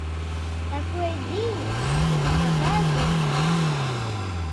Такое дзеянне дапамагае выйграць.